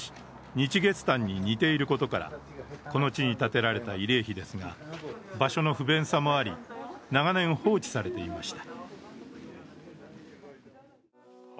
日月潭に似ていることからこの地に建てられた慰霊碑ですが、場所の不便さもあり長年、放置されていました。